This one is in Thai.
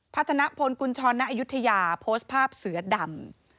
พัฒนภนคุณชรณะอยุธยาโพสต์ภาพเสือดำ